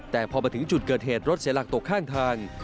แต่พอมาถึงจุดเกิดเหตุรถเสียหลักตกข้างทาง